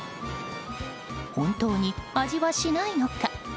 本当に味はしないのか。